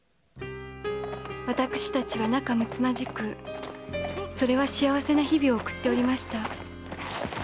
私達は仲むつまじくそれは幸せな日々を送っておりました。